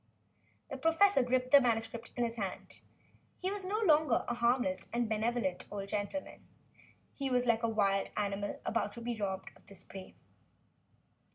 The professor gripped the manuscript in his hand. He was no longer a harmless and benevolent old gentleman. He was like a wild animal about to be robbed of its prey.